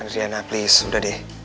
riana please udah deh